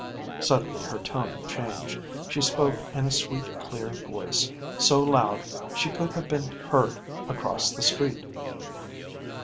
Suddenly her tone changed. She spoke in a sweet, clear voice, so loud that she could have been heard across the street.